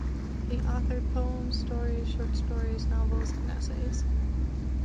He authored poems, stories, shorts stories, novels, and essays.